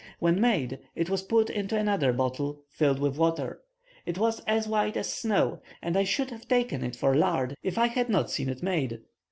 When made, it was put into another bottle filled with water. It was as white as snow, and I should have taken it for lard if I had not seen it made.